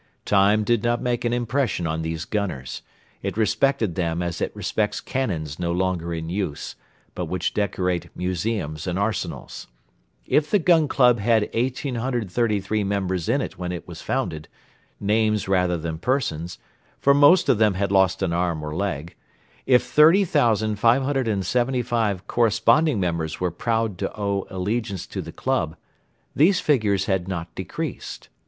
Time did not make an impression on these gunners; it respected them as it respects cannons no longer in use, but which decorate museums and arsenals. If the Gun Club had 1,833 members in it when it was founded, names rather than persons, for most of them had lost an arm or leg, if 30,575 corresponding members were proud to owe allegiance to the Club, these figures had not decreased.